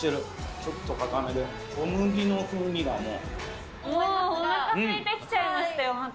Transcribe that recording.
ちょっと硬めで、もう、おなかすいてきちゃいましたよ、また。